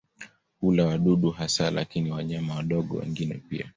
Hula wadudu hasa lakini wanyama wadogo wengine pia.